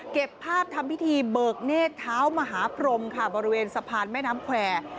เก็บภาพทำพิธีเบิกเนธเท้ามหาพรมค่ะบริเวณสะพานแม่น้ำแควร์